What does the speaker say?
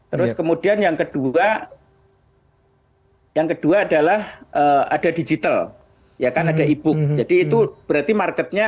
terus kemudian yang kedua yang kedua adalah ada digital ya kan ada e book jadi itu berarti marketnya